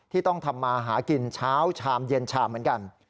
ต้องทำมาหากินเช้าชามเย็นชามเหมือนกัน